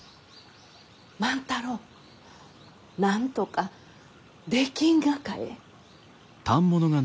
万太郎なんとかできんがかえ？